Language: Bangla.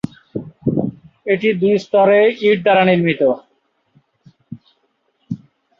এটি দুই স্তরে ইট দ্বারা নির্মিত।